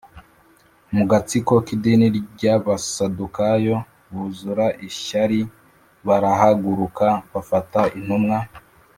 mu gatsiko k idini ry Abasadukayo buzura ishyari barahaguruka bafata intumwa